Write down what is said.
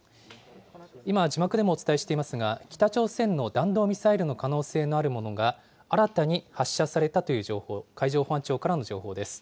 今、字幕でもお伝えしていますが、北朝鮮の弾道ミサイルの可能性のあるものが、新たに発射されたという情報、海上保安庁からの情報です。